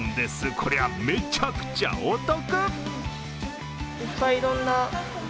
こりゃ、めちゃくちゃお得！